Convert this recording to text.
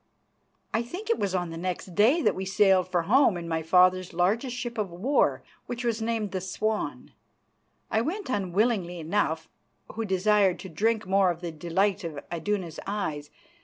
I think it was on the next day that we sailed for home in my father's largest ship of war, which was named the Swan. I went unwillingly enough, who desired to drink more of the delight of Iduna's eyes.